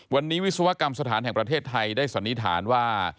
วันนี้วิศวกรรมสถานแห่งประเทศไทยได้สันนิษฐานว่า